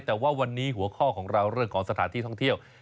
แต่ว่าวันนี้หัวข้อของเราเรื่องของสถานที่ท่องเที่ยว